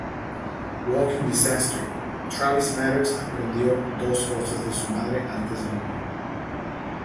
Walking Disaster: Travis Maddox aprendió dos cosas de su madre antes de morir.